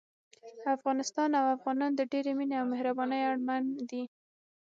افغانستان او افغانان د ډېرې مينې او مهربانۍ اړمن دي